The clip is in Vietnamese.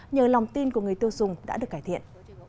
nhờ lòng tin của người tiêu dùng đã được cải thiện